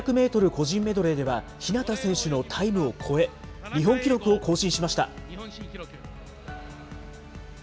個人メドレーでは日向選手のタイムを超え、日本記録を更新しました。